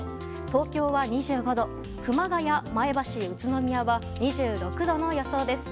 東京は２５度熊谷、前橋、宇都宮は２６度の予想です。